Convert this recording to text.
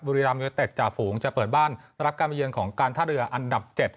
บุรีรามยวิเตศจ่าฝูงจะเปิดบ้านแล้วรับการบริเวณของการท่าเรืออันดับ๗